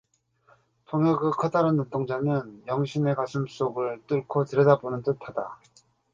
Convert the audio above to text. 동혁의 커다란 눈동자는 영신의 가슴속을 뚫고 들여다보는 듯하다.